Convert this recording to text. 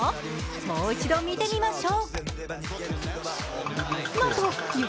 もう一度見てみましょう。